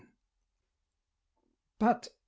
.. but .